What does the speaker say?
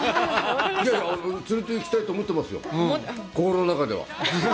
連れていきたいと思ってますよ、心の中では。